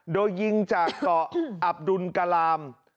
โดยยิงจากเกาะอับดุลกลาม